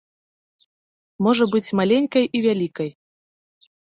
Можа быць маленькай і вялікай.